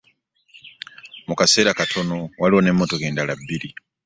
Mu kaseera katono, waliwo n'emmotoka endala bbiri